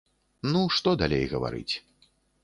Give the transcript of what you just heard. Ну, што далей гаварыць.